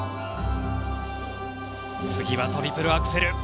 次はトリプルアクセル。